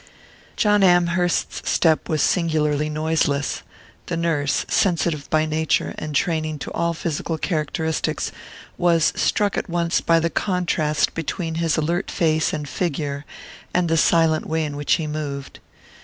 John Amherst's step was singularly noiseless. The nurse, sensitive by nature and training to all physical characteristics, was struck at once by the contrast between his alert face and figure and the silent way in which he moved.